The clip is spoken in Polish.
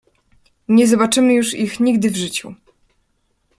"Nie zobaczymy już ich nigdy w życiu."